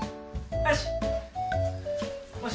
よし！